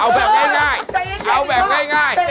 เอาละเอาแบบง่าย